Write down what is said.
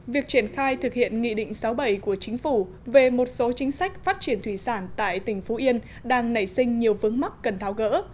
việc triển khai thực hiện nghị định sáu bảy của chính phủ về một số chính sách phát triển thủy sản tại tỉnh phú yên đang nảy sinh nhiều vướng mắt cần tháo gỡ